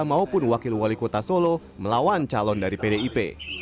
maupun wakil wali kota solo melawan calon dari pdip